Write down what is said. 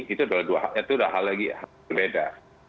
itu dua hal lagi berbeda